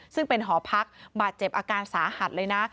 ซึ่งเป็นหอพักบาดเจ็บอาการสาหัสเลยนะ